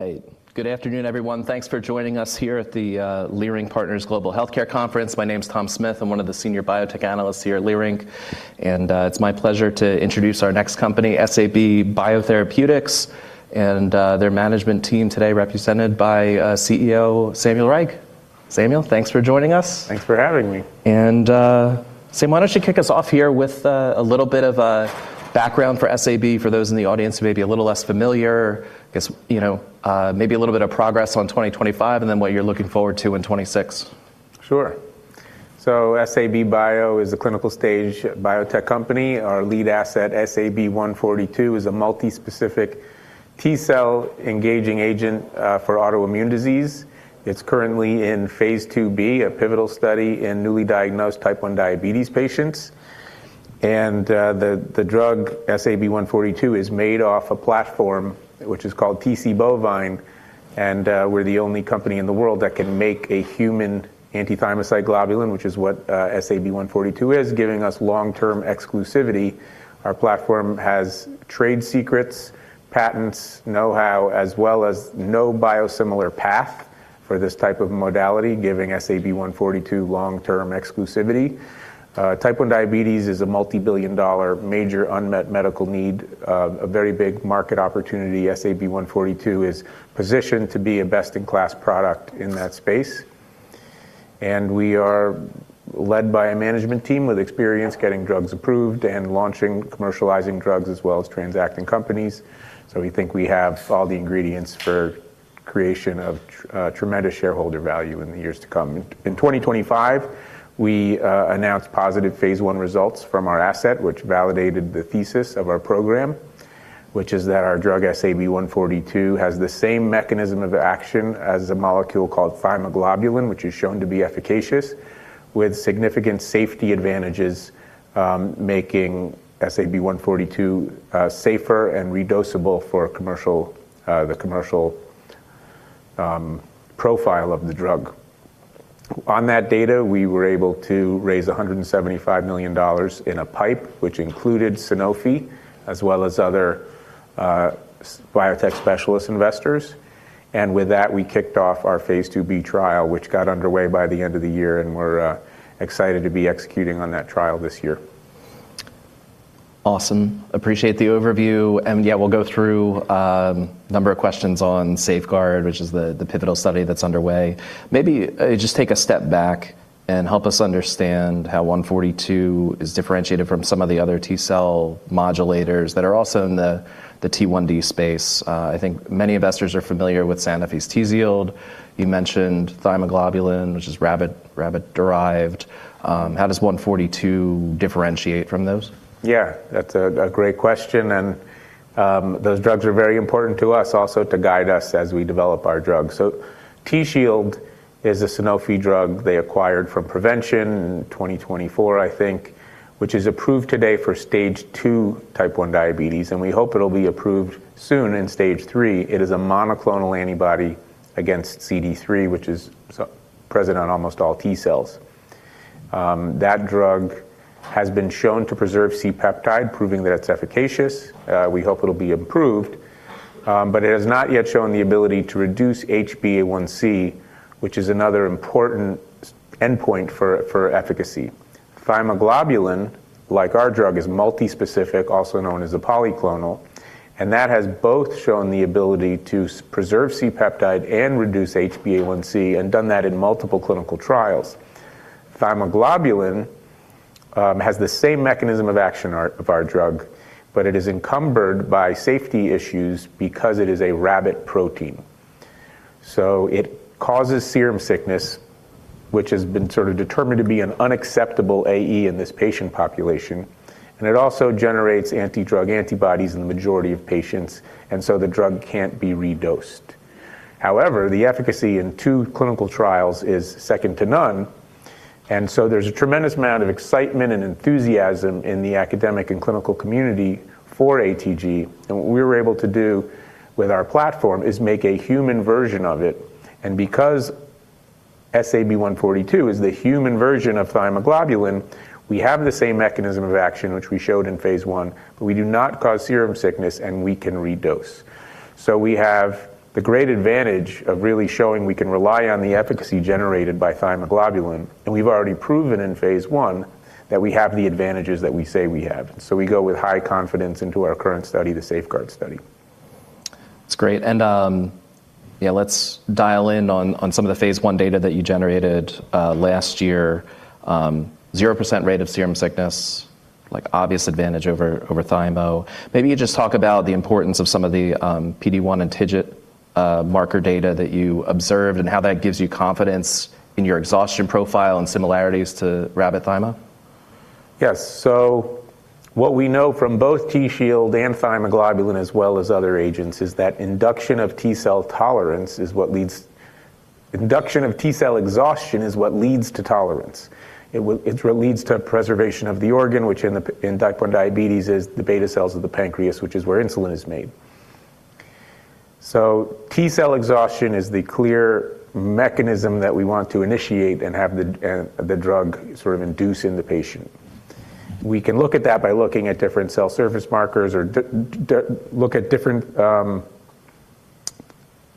Hey. Good afternoon, everyone. Thanks for joining us here at the Leerink Partners Global Healthcare Conference. My name's Tom Smith. I'm one of the senior biotech analysts here at Leerink and it's my pleasure to introduce our next company, SAB Biotherapeutics, and their management team today represented by CEO Samuel Reich. Samuel, thanks for joining us. Thanks for having me. Sam, why don't you kick us off here with a little bit of a background for SAB for those in the audience who may be a little less familiar. I guess, you know, maybe a little bit of progress on 2025 and then what you're looking forward to in 2026. Sure. SAB BIO is a clinical stage biotech company. Our lead asset, SAB-142, is a multi-specific T-cell engaging agent for autoimmune disease. It's currently in Phase IIb, a pivotal study in newly diagnosed type 1 diabetes patients. The drug SAB-142 is made off a platform which is called Tc Bovine, we're the only company in the world that can make a human anti-thymocyte globulin, which is what SAB-142 is, giving us long-term exclusivity. Our platform has trade secrets, patents, know-how, as well as no biosimilar path for this type of modality, giving SAB-142 long-term exclusivity. Type 1 diabetes is a multibillion-dollar major unmet medical need, a very big market opportunity. SAB-142 is positioned to be a best-in-class product in that space. We are led by a management team with experience getting drugs approved and launching, commercializing drugs, as well as transacting companies. We think we have all the ingredients for creation of tremendous shareholder value in the years to come. In 2025, we announced positive phase I results from our asset, which validated the thesis of our program, which is that our drug, SAB-142, has the same mechanism of action as a molecule called Thymoglobulin, which is shown to be efficacious with significant safety advantages, making SAB-142 safer and redosable for commercial, the commercial profile of the drug. On that data, we were able to raise $175 million in a PIPE, which included Sanofi as well as other biotech specialist investors. With that, we kicked off our phase IIb trial, which got underway by the end of the year, and we're excited to be executing on that trial this year. Awesome. Appreciate the overview. Yeah, we'll go through number of questions on SAFEGUARD, which is the pivotal study that's underway. Maybe just take a step back and help us understand how SAB-142 is differentiated from some of the other T-cell modulators that are also in the T1D space. I think many investors are familiar with Sanofi's Tzield. You mentioned Thymoglobulin, which is rabbit-derived. How does SAB-142 differentiate from those? That's a great question, those drugs are very important to us also to guide us as we develop our drugs. Tzield is a Sanofi drug they acquired from Provention in 2024, I think, which is approved today for Stage 2 type 1 diabetes, and we hope it'll be approved soon in Stage 3. It is a monoclonal antibody against CD3, which is present on almost all T-cells. That drug has been shown to preserve C-peptide, proving that it's efficacious. We hope it'll be approved, but it has not yet shown the ability to reduce HbA1c, which is another important endpoint for efficacy. Thymoglobulin, like our drug, is multi-specific, also known as a polyclonal, and that has both shown the ability to preserve C-peptide and reduce HbA1c and done that in multiple clinical trials. Thymoglobulin has the same mechanism of action of our drug. It is encumbered by safety issues because it is a rabbit protein. It causes serum sickness, which has been determined to be an unacceptable AE in this patient population, and it also generates anti-drug antibodies in the majority of patients. The drug can't be redosed. However, the efficacy in two clinical trials is second to none. There's a tremendous amount of excitement and enthusiasm in the academic and clinical community for ATG. What we were able to do with our platform is make a human version of it. Because SAB-142 is the human version of Thymoglobulin, we have the same mechanism of action, which we showed in phase I. We do not cause serum sickness, and we can redose. We have the great advantage of really showing we can rely on the efficacy generated by Thymoglobulin, and we've already proven in phase I that we have the advantages that we say we have. We go with high confidence into our current study, the SAFEGUARD study. That's great. Yeah, let's dial in on some of the phase I data that you generated last year. 0% rate of serum sickness, like, obvious advantage over Thymo. Maybe you just talk about the importance of some of the PD-1 and TIGIT marker data that you observed and how that gives you confidence in your exhaustion profile and similarities to rabbit Thymo? What we know from both Tzield and Thymoglobulin, as well as other agents, is that induction of T-cell exhaustion is what leads to tolerance. It's what leads to preservation of the organ, which in type 1 diabetes is the beta cells of the pancreas, which is where insulin is made. T-cell exhaustion is the clear mechanism that we want to initiate and have the drug sort of induce in the patient. We can look at that by looking at different cell surface markers or look at different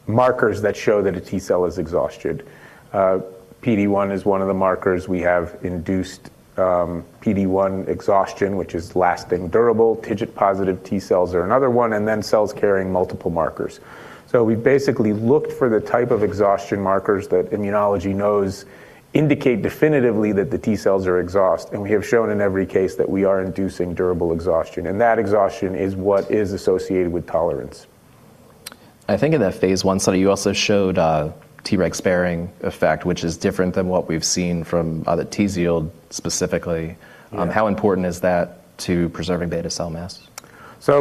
markers that show that a T cell is exhausted. PD-1 is one of the markers. We have induced PD-1 exhaustion, which is lasting durable. TIGIT positive T cells are another one, and then cells carrying multiple markers. We basically looked for the type of exhaustion markers that immunology knows indicate definitively that the T-cells are exhaust, and we have shown in every case that we are inducing durable exhaustion, and that exhaustion is what is associated with tolerance. I think in that phase I study, you also showed a Treg sparing effect, which is different than what we've seen from other Tzield specifically. Yeah. How important is that to preserving beta cell mass? The,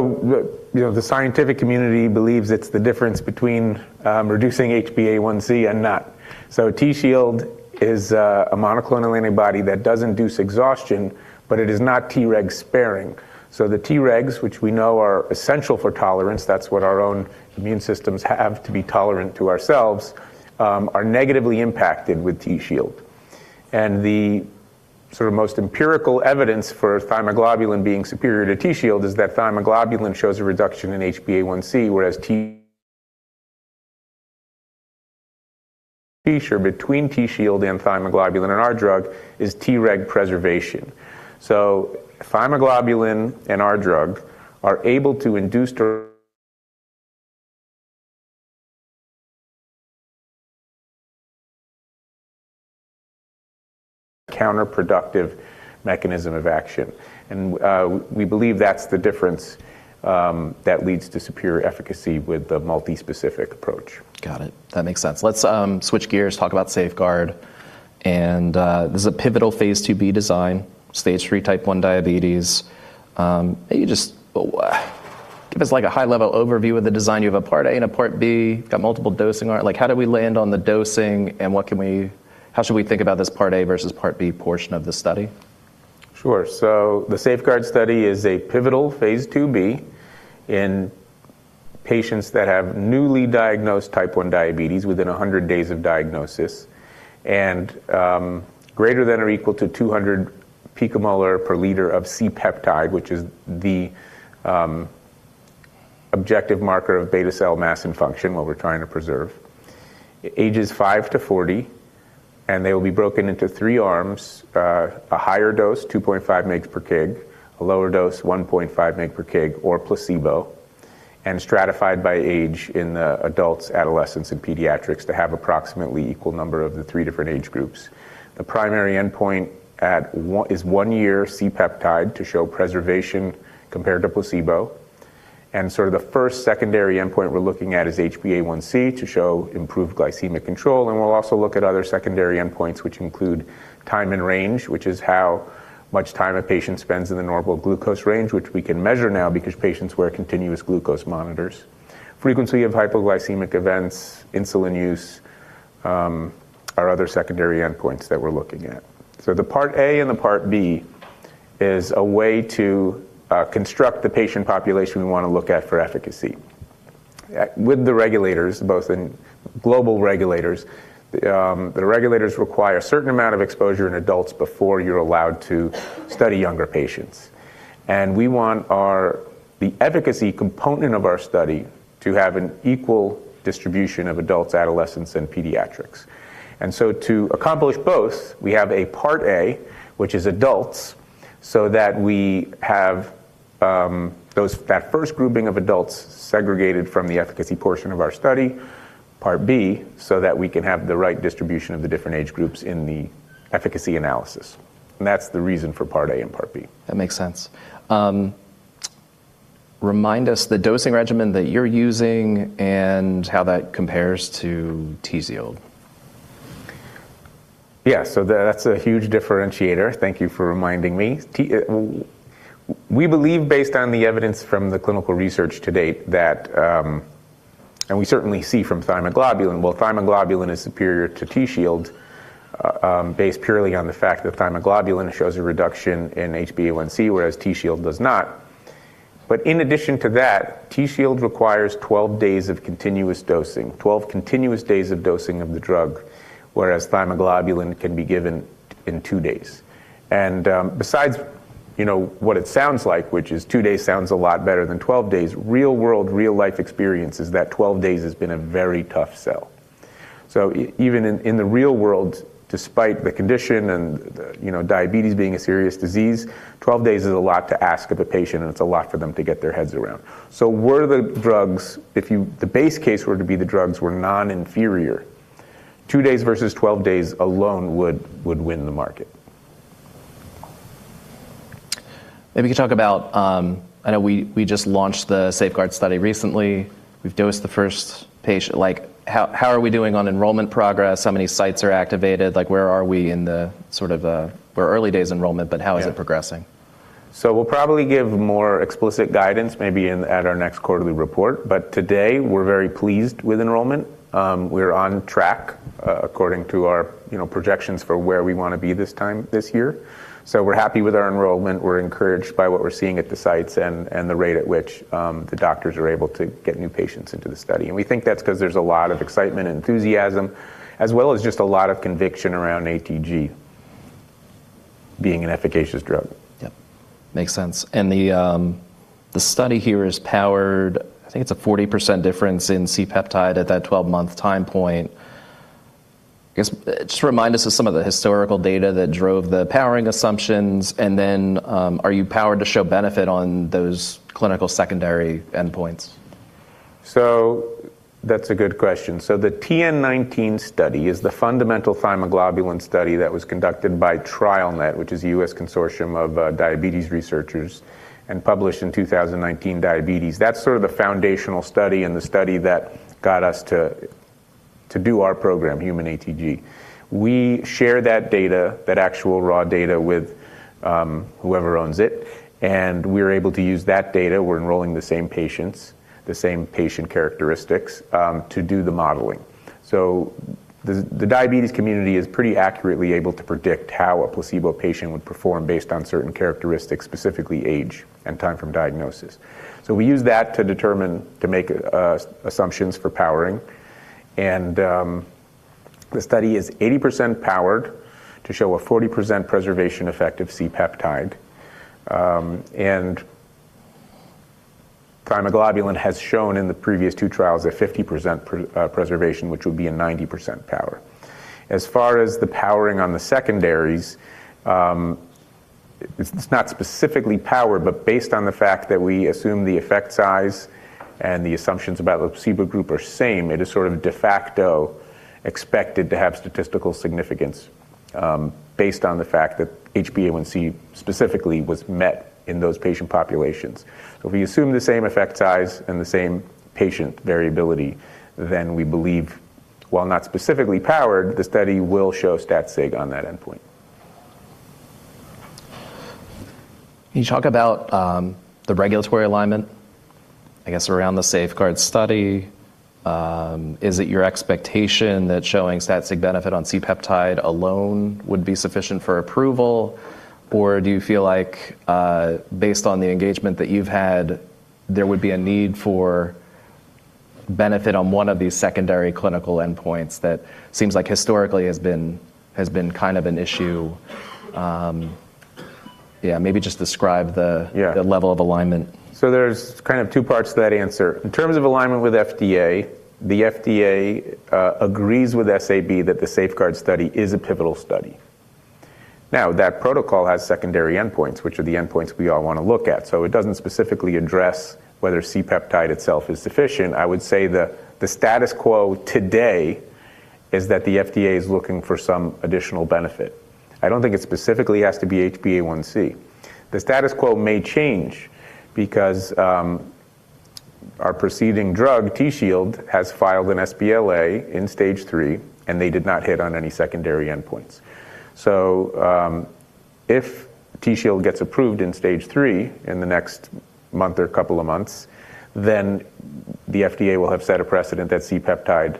you know, the scientific community believes it's the difference between reducing HbA1c and not. Tzield is a monoclonal antibody that does induce exhaustion, but it is not Treg sparing. The Tregs, which we know are essential for tolerance, that's what our own immune systems have to be tolerant to ourselves, are negatively impacted with Tzield. The sort of most empirical evidence for Thymoglobulin being superior to Tzield is that Thymoglobulin shows a reduction in HbA1c, whereas Tzield between Tzield and Thymoglobulin in our drug is Treg preservation. Thymoglobulin and our drug are able to induce counterproductive mechanism of action. We believe that's the difference that leads to superior efficacy with the multi-specific approach. Got it. That makes sense. Let's switch gears, talk about SAFEGUARD, and this is a pivotal Phase IIb design, Stage 3 type 1 diabetes. Can you just give us like a high-level overview of the design? You have a part A and a part B, got multiple dosing arm. Like how did we land on the dosing, and how should we think about this part A versus part B portion of the study? Sure. The SAFEGUARD study is a pivotal phase IIb in patients that have newly diagnosed type 1 diabetes within 100 days of diagnosis, and, greater than or equal to 200 picomolar per liter of C-peptide, which is the objective marker of beta cell mass and function, what we're trying to preserve. Ages five to 40, and they'll be broken into three arms, a higher dose, 2.5 mgs per kg, a lower dose, 1.5 mg per kg or placebo, and stratified by age in the adults, adolescents, and pediatrics to have approximately equal number of the three different age groups. The primary endpoint is one year C-peptide to show preservation compared to placebo. Sort of the first secondary endpoint we're looking at is HbA1c to show improved glycemic control. We'll also look at other secondary endpoints, which include Time in Range, which is how much time a patient spends in the normal glucose range, which we can measure now because patients wear continuous glucose monitors. Frequency of hypoglycemic events, insulin use, are other secondary endpoints that we're looking at. The part A and the part B is a way to construct the patient population we wanna look at for efficacy. With the regulators, both in global regulators, the regulators require a certain amount of exposure in adults before you're allowed to study younger patients. We want the efficacy component of our study to have an equal distribution of adults, adolescents, and pediatrics. To accomplish both, we have a part A, which is adults, so that we have that first grouping of adults segregated from the efficacy portion of our study, part B, so that we can have the right distribution of the different age groups in the efficacy analysis. That's the reason for part A and part B. That makes sense. Remind us the dosing regimen that you're using and how that compares to Tzield? Yeah. That's a huge differentiator. Thank you for reminding me. We believe based on the evidence from the clinical research to date that, and we certainly see from Thymoglobulin, well, Thymoglobulin is superior to Tzield, based purely on the fact that Thymoglobulin shows a reduction in HbA1c, whereas Tzield does not. In addition to that, Tzield requires 12 days of continuous dosing, 12 continuous days of dosing of the drug, whereas Thymoglobulin can be given in two days. Besides, you know, what it sounds like, which is two days sounds a lot better than 12 days, real-world, real-life experience is that 12 days has been a very tough sell. Even in the real world, despite the condition and the, you know, diabetes being a serious disease, 12 days is a lot to ask of a patient, and it's a lot for them to get their heads around. Were the drugs, if the base case were to be the drugs were non-inferior, two days versus 12 days alone would win the market. Maybe you could talk about, I know we just launched the SAFEGUARD study recently? We've dosed the first patient. Like how are we doing on enrollment progress? How many sites are activated? Like, where are we in the sort of, we're early days enrollment, but how is it progressing? We'll probably give more explicit guidance maybe at our next quarterly report. Today, we're very pleased with enrollment. We're on track, according to our, you know, projections for where we wanna be this time this year. We're happy with our enrollment. We're encouraged by what we're seeing at the sites and the rate at which the doctors are able to get new patients into the study. We think that's 'cause there's a lot of excitement and enthusiasm, as well as just a lot of conviction around ATG, being an efficacious drug. Yep. Makes sense. The study here is powered, I think it's a 40% difference in C-peptide at that 12-month time point. I guess, just remind us of some of the historical data that drove the powering assumptions. Are you powered to show benefit on those clinical secondary endpoints? That's a good question. The TN19 study is the fundamental Thymoglobulin study that was conducted by TrialNet, which is a U.S. consortium of diabetes researchers, and published in 2019, Diabetes. That's sort of the foundational study and the study that got us to do our program, Human ATG. We share that data, that actual raw data, with whoever owns it, and we're able to use that data, we're enrolling the same patients, the same patient characteristics, to do the modeling. The diabetes community is pretty accurately able to predict how a placebo patient would perform based on certain characteristics, specifically age and time from diagnosis. We use that to determine, to make assumptions for powering. The study is 80% powered to show a 40% preservation effect of C-peptide. Thymoglobulin has shown in the previous 2 trials a 50% preservation, which would be a 90% power. As far as the powering on the secondaries, it's not specifically powered, but based on the fact that we assume the effect size and the assumptions about the placebo group are same, it is sort of de facto expected to have statistical significance, based on the fact that HbA1c specifically was met in those patient populations. If we assume the same effect size and the same patient variability, we believe, while not specifically powered, the study will show stat sig on that endpoint. Can you talk about the regulatory alignment, I guess, around the SAFEGUARD study? Is it your expectation that showing stat sig benefit on C-peptide alone would be sufficient for approval? Or do you feel like, based on the engagement that you've had, there would be a need for benefit on one of these secondary clinical endpoints that seems like historically has been kind of an issue? Yeah, maybe just describe the- Yeah The level of alignment. There's kind of two parts to that answer. In terms of alignment with FDA, the FDA agrees with SAB that the SAFEGUARD study is a pivotal study. That protocol has secondary endpoints, which are the endpoints we all wanna look at. It doesn't specifically address whether C-peptide itself is sufficient. I would say the status quo today is that the FDA is looking for some additional benefit. I don't think it specifically has to be HbA1c. The status quo may change because our preceding drug, Tzield, has filed an sBLA in Stage 3, and they did not hit on any secondary endpoints. If Tzield gets approved in Stage 3 in the next month or couple of months, then the FDA will have set a precedent that C-peptide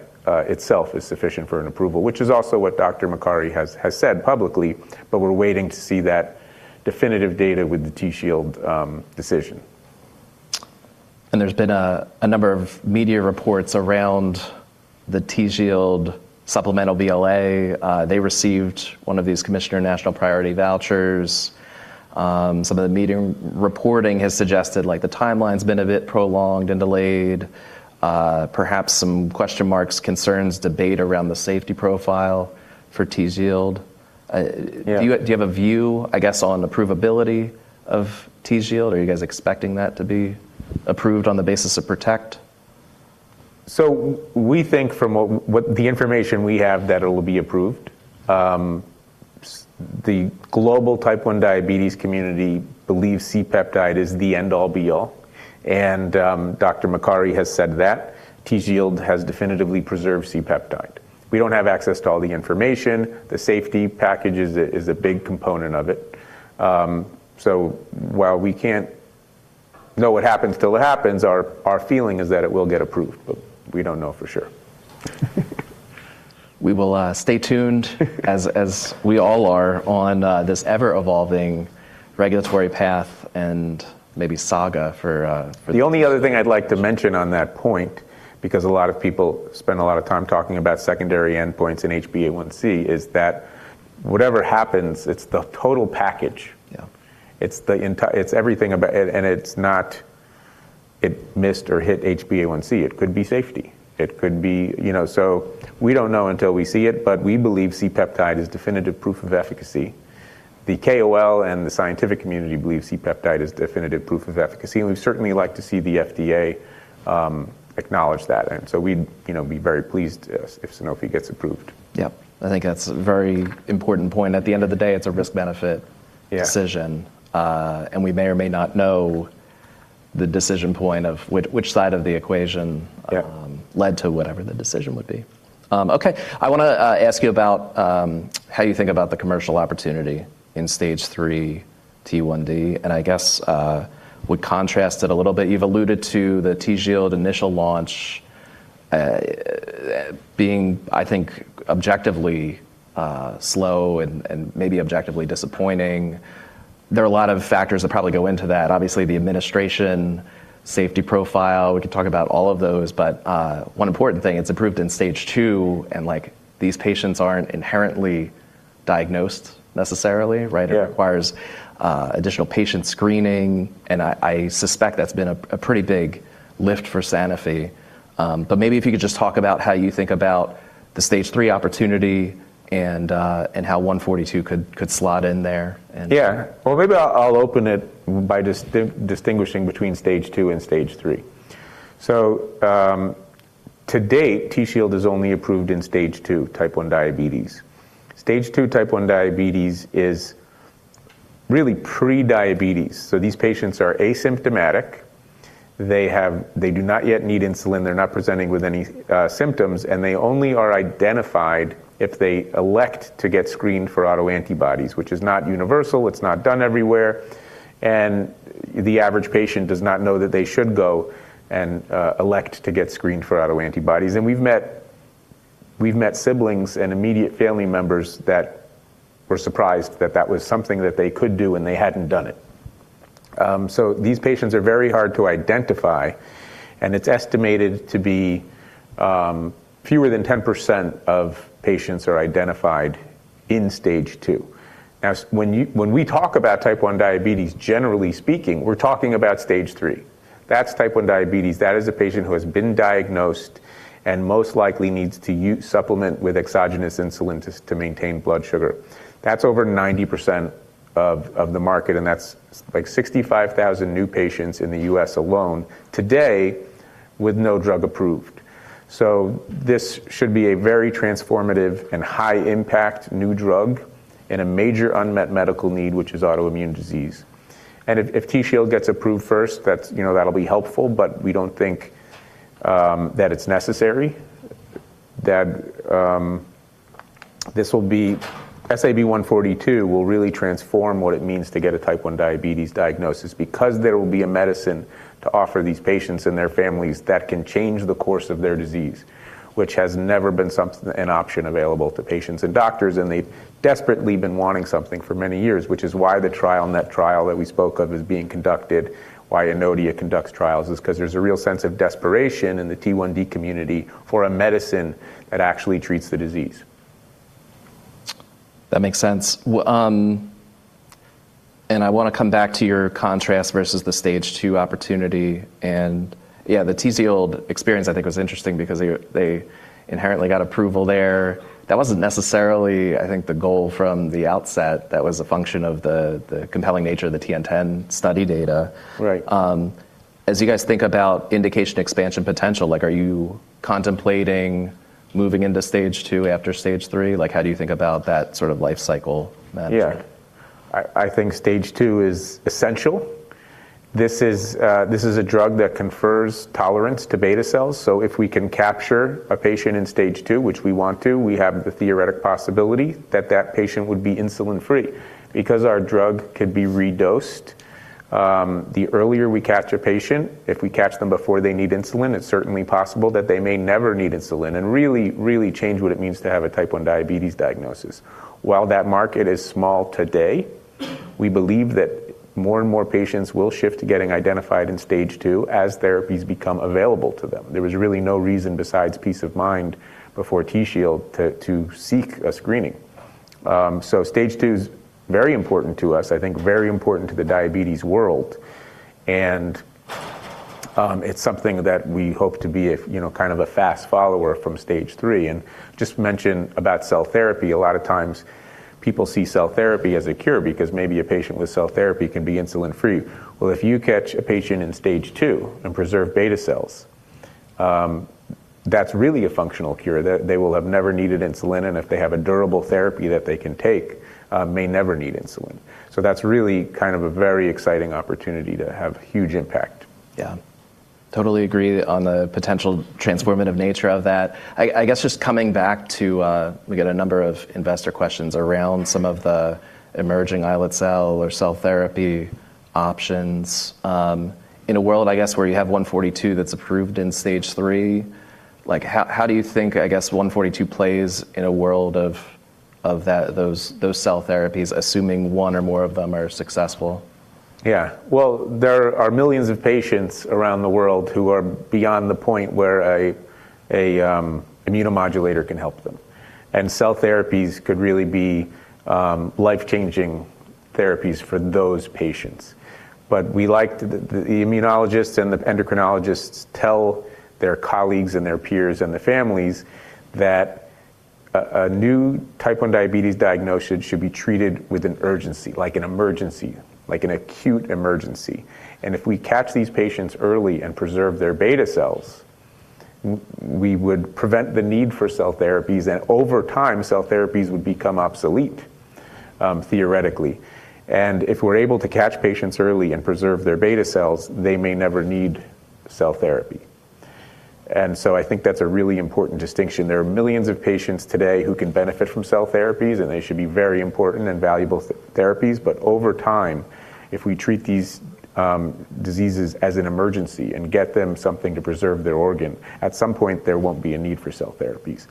itself is sufficient for an approval, which is also what Dr. Makary has said publicly, but we're waiting to see that definitive data with the Tzield decision. There's been a number of media reports around the Tzield sBLA. They received one of these commissioner national priority vouchers. Some of the media reporting has suggested, like, the timeline's been a bit prolonged and delayed, perhaps some question marks, concerns, debate around the safety profile for Tzield. Yeah. Do you have a view, I guess, on approvability of Tzield? Are you guys expecting that to be approved on the basis of PROTECT? We think from the information we have that it'll be approved. The global type 1 diabetes community believes C-peptide is the end all be all, and Dr. Makary has said that. Tzield has definitively preserved C-peptide. We don't have access to all the information. The safety package is a big component of it. While we can't know what happens till it happens, our feeling is that it will get approved, but we don't know for sure. We will stay tuned. As we all are on this ever-evolving regulatory path and maybe saga for. The only other thing I'd like to mention on that point, because a lot of people spend a lot of time talking about secondary endpoints in HbA1c, is that whatever happens, it's the total package. Yeah. It's everything about it, and it's not it missed or hit HbA1c. It could be safety. It could be... You know, so we don't know until we see it, but we believe C-peptide is definitive proof of efficacy. The KOL and the scientific community believe C-peptide is definitive proof of efficacy, we'd certainly like to see the FDA acknowledge that. We'd, you know, be very pleased if Sanofi gets approved. Yep. I think that's a very important point. At the end of the day, it's a risk-benefit. Yeah... decision. We may or may not know the decision point of which side of the equation. Yeah... led to whatever the decision would be. Okay. I wanna ask you about how you think about the commercial opportunity in Stage 3 T1D, and I guess would contrast it a little bit. You've alluded to the Tzield initial launch being, I think, objectively slow and maybe objectively disappointing. There are a lot of factors that probably go into that. Obviously, the administration safety profile, we could talk about all of those, but one important thing, it's approved in Stage 2, and, like, these patients aren't inherently diagnosed necessarily, right? Yeah. It requires additional patient screening, and I suspect that's been a pretty big lift for Sanofi. Maybe if you could just talk about how you think about the Stage 3 opportunity and how 142 could slot in there. Yeah. Maybe I'll open it by distinguishing between Stage 2 and Stage 3. To date, Tzield is only approved in Stage 2 type 1 diabetes. Stage 2 type 1 diabetes is really pre-diabetes. These patients are asymptomatic. They do not yet need insulin. They're not presenting with any symptoms, and they only are identified if they elect to get screened for autoantibodies, which is not universal, it's not done everywhere, and the average patient does not know that they should go and elect to get screened for autoantibodies. We've met siblings and immediate family members that were surprised that that was something that they could do, and they hadn't done it. These patients are very hard to identify, and it's estimated to be fewer than 10% of patients are identified in Stage 2. Now, when we talk about type 1 diabetes, generally speaking, we're talking about Stage 3. That's type 1 diabetes. That is a patient who has been diagnosed and most likely needs to supplement with exogenous insulin to maintain blood sugar. That's over 90% of the market, and that's, like, 65,000 new patients in the U.S. alone today with no drug approved. This should be a very transformative and high-impact new drug in a major unmet medical need, which is autoimmune disease. If Tzield gets approved first, that's, you know, that'll be helpful, but we don't think that it's necessary. SAB-142 will really transform what it means to get a type 1 diabetes diagnosis because there will be a medicine to offer these patients and their families that can change the course of their disease, which has never been an option available to patients and doctors. They've desperately been wanting something for many years, which is why the TrialNet trial that we spoke of is being conducted. Anodia conducts trials is 'cause there's a real sense of desperation in the T1D community for a medicine that actually treats the disease. That makes sense. I wanna come back to your contrast versus the Stage 2 opportunity. Yeah, the Tzield experience I think was interesting because they inherently got approval there. That wasn't necessarily, I think, the goal from the outset. That was a function of the compelling nature of the TN10 study data. Right. As you guys think about indication expansion potential, like, are you contemplating moving into Stage 2 after Stage 3? Like, how do you think about that sort of life cycle management? I think Stage 2 is essential. This is a drug that confers tolerance to beta cells. If we can capture a patient in Stage 2, which we want to, we have the theoretic possibility that that patient would be insulin free. Our drug could be redosed, the earlier we catch a patient, if we catch them before they need insulin, it's certainly possible that they may never need insulin and really change what it means to have a type 1 diabetes diagnosis. That market is small today, we believe that more and more patients will shift to getting identified in Stage 2 as therapies become available to them. There was really no reason besides peace of mind before Tzield to seek a screening. Stage 2 is very important to us. I think very important to the diabetes world. It's something that we hope to be a, you know, kind of a fast follower from Stage 3. Just mention about cell therapy, a lot of times people see cell therapy as a cure because maybe a patient with cell therapy can be insulin free. Well, if you catch a patient in Stage 2 and preserve beta cells, that's really a functional cure. They will have never needed insulin, and if they have a durable therapy that they can take, may never need insulin. That's really kind of a very exciting opportunity to have huge impact. Yeah. Totally agree on the potential transformative nature of that. I guess just coming back to, we get a number of investor questions around some of the emerging islet cell or cell therapy options. In a world, I guess, where you have 142 that's approved in Stage 3, like how do you think, I guess, 142 plays in a world of those cell therapies, assuming one or more of them are successful? Well, there are millions of patients around the world who are beyond the point where a immunomodulator can help them. Cell therapies could really be life-changing therapies for those patients. We like Immunologists and the endocrinologists tell their colleagues and their peers and their families that a new type 1 diabetes diagnosis should be treated with an urgency, like an emergency, like an acute emergency. If we catch these patients early and preserve their beta cells, we would prevent the need for cell therapies, and over time, cell therapies would become obsolete, theoretically. If we're able to catch patients early and preserve their beta cells, they may never need cell therapy. I think that's a really important distinction. There are millions of patients today who can benefit from cell therapies. They should be very important and valuable therapies. Over time, if we treat these diseases as an emergency and get them something to preserve their organ, at some point there won't be a need for cell therapies.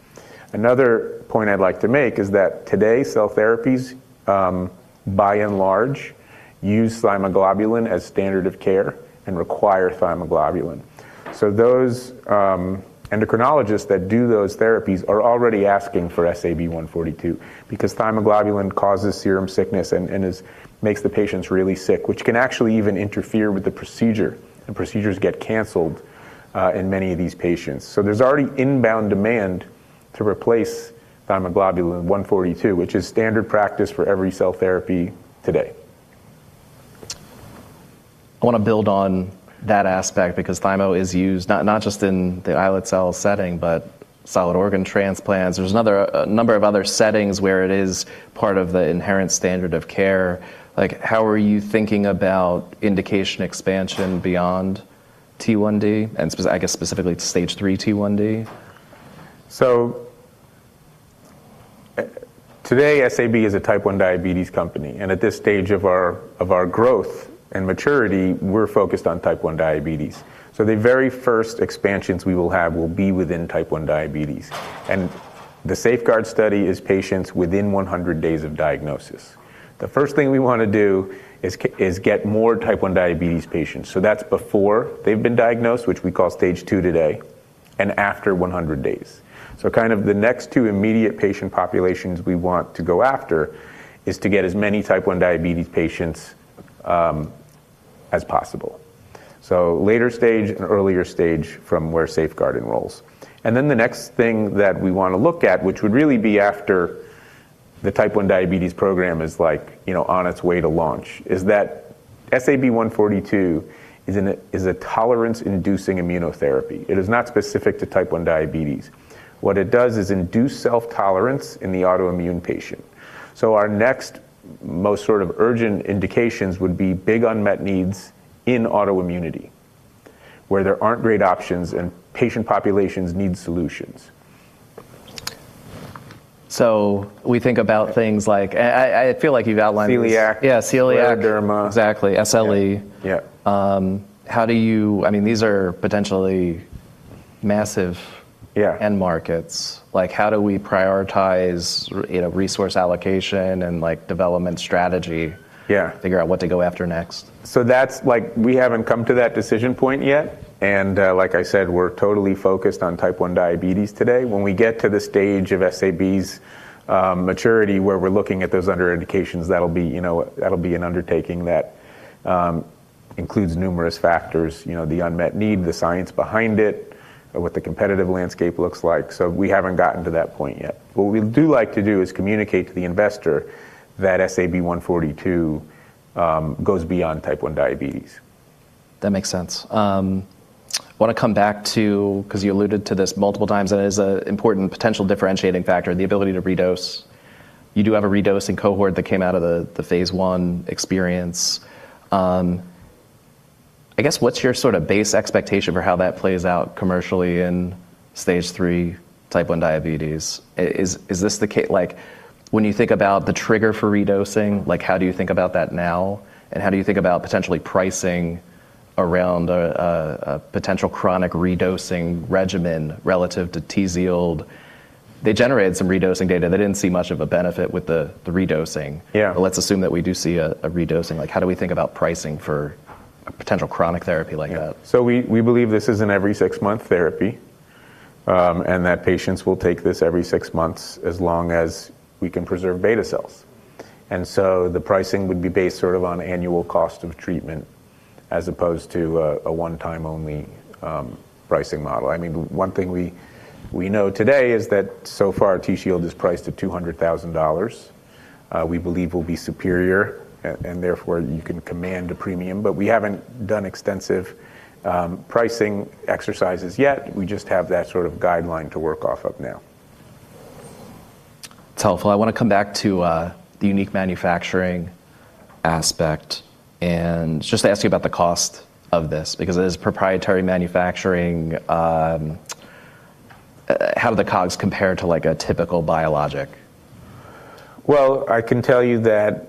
Another point I'd like to make is that today, cell therapies, by and large use Thymoglobulin as standard of care and require Thymoglobulin. Those endocrinologists that do those therapies are already asking for SAB-142 because Thymoglobulin causes serum sickness and makes the patients really sick, which can actually even interfere with the procedure. The procedures get canceled in many of these patients. There's already inbound demand to replace Thymoglobulin 142, which is standard practice for every cell therapy today. I wanna build on that aspect because thymo is used not just in the islet cell setting, but solid organ transplants. There's a number of other settings where it is part of the inherent standard of care. Like, how are you thinking about indication expansion beyond T1D and I guess specifically Stage 3 T1D? Today SAB is a type 1 diabetes company, and at this stage of our, of our growth and maturity, we're focused on type 1 diabetes. The SAFEGUARD study is patients within 100 days of diagnosis. The first thing we wanna do is get more type 1 diabetes patients, so that's before they've been diagnosed, which we call Stage 2 today, and after 100 days. Kind of the next two immediate patient populations we want to go after is to get as many type 1 diabetes patients as possible. Later stage and earlier stage from where SAFEGUARD enrolls. The next thing that we wanna look at, which would really be after the type 1 diabetes program, is like, you know, on its way to launch, is that SAB-142 is a tolerance-inducing immunotherapy. It is not specific to type 1 diabetes. What it does is induce self-tolerance in the autoimmune patient. Our next most sort of urgent indications would be big unmet needs in autoimmunity where there aren't great options and patient populations need solutions. We think about things like I feel like you've outlined. Celiac. Yeah, celiac. Psoriasis, derma. Exactly. SLE. Yeah. I mean, these are potentially massive... Yeah... end markets. Like, how do we prioritize, you know, resource allocation and, like, development strategy... Yeah figure out what to go after next? Like, we haven't come to that decision point yet, like I said, we're totally focused on type 1 diabetes today. When we get to the stage of SAB's maturity, where we're looking at those under indications, that'll be, you know, that'll be an undertaking that includes numerous factors, you know, the unmet need, the science behind it, what the competitive landscape looks like. We haven't gotten to that point yet. What we do like to do is communicate to the investor that SAB-142 goes beyond type 1 diabetes. That makes sense. Wanna come back to, 'cause you alluded to this multiple times, and it is a important potential differentiating factor, the ability to redose. You do have a redosing cohort that came out of the phase I experience. I guess what's your sorta base expectation for how that plays out commercially in Stage 3 Type 1 Diabetes? Like, when you think about the trigger for redosing, like, how do you think about that now, and how do you think about potentially pricing around a, a potential chronic redosing regimen relative to Tzield? They generated some redosing data. They didn't see much of a benefit with the redosing. Yeah. Let's assume that we do see a redosing. Like, how do we think about pricing for a potential chronic therapy like that? We believe this is an every six month therapy, and that patients will take this every six months as long as we can preserve beta cells. The pricing would be based sort of on annual cost of treatment as opposed to a one-time-only pricing model. I mean, one thing we know today is that so far Tzield is priced at $200,000, we believe will be superior and therefore you can command a premium. We haven't done extensive pricing exercises yet. We just have that sort of guideline to work off of now. That's helpful. I wanna come back to the unique manufacturing aspect and just ask you about the cost of this because it is proprietary manufacturing. How do the cogs compare to, like, a typical biologic? Well, I can tell you that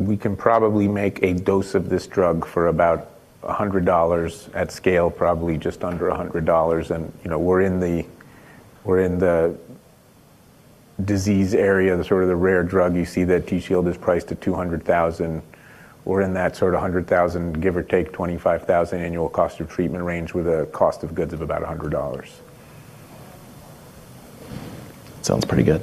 we can probably make a dose of this drug for about $100 at scale, probably just under $100. You know, we're in the disease area, the sort of the rare drug you see that Tzield is priced at $200,000. We're in that sort of $100,000 ± $25,000 annual cost of treatment range with a cost of goods of about $100. Sounds pretty good.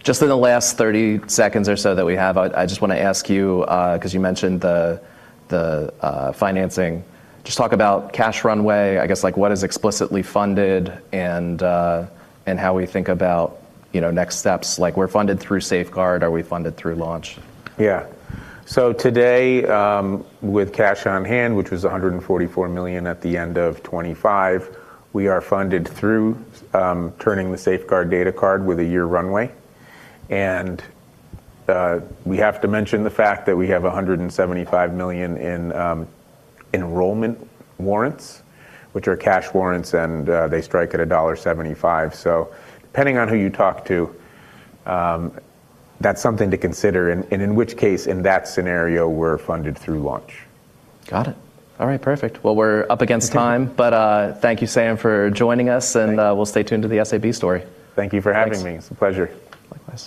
Just in the last 30 seconds or so that we have, I just wanna ask you, 'cause you mentioned the financing, just talk about cash runway, I guess, like, what is explicitly funded and how we think about, you know, next steps. Like, we're funded through SAFEGUARD. Are we funded through launch? Yeah. Today, with cash on hand, which was $144 million at the end of 2025, we are funded through turning the SAFEGUARD data card with a year runway. We have to mention the fact that we have $175 million in enrollment warrants, which are cash warrants, and they strike at $1.75. Depending on who you talk to, that's something to consider and in which case, in that scenario, we're funded through launch. Got it. All right. Perfect. Well, we're up against time, but thank you, Sam, for joining us. Thank you. We'll stay tuned to the SAB story. Thank you for having me. Thanks. It's a pleasure. Likewise.